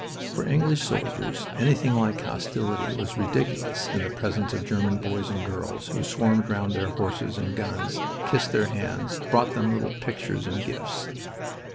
For English soldiers, anything like hostility was ridiculous in the presence of German boys and girls who swarmed round their horses and guns, kissed their hands, brought them little pictures and gifts.